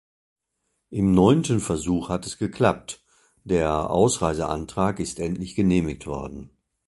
Im neunten Versuch hat es geklappt, der Ausreiseantrag ist endlich genehmigt worden.